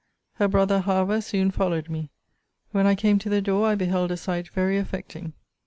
Her brother, however, soon followed me. When I came to the door, I beheld a sight very affecting.